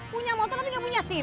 punya motor tapi nggak punya sim